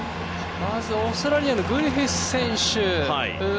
まずオーストラリアのグリフィス選手。